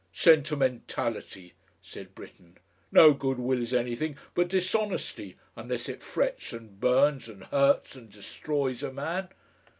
"Sentimentality," said Britten. "No Good Will is anything but dishonesty unless it frets and burns and hurts and destroys a man.